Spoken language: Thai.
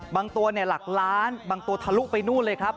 บางตัวหลักล้านบางตัวทะลุไปนู่นเลยครับ